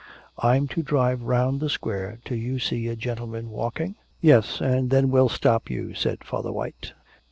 'I'm to drive round the Square till you see a gentleman walking?' 'Yes, and then we'll stop you,' said Father White.